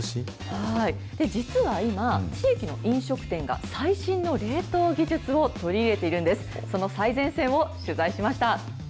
実は今、地域の飲食店が最新の冷凍技術を取り入れているんです。